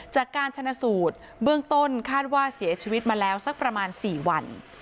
จากการชนะสูตรเบื้องต้นคาดว่าเสียชีวิตมาแล้วสักประมาณ๔วัน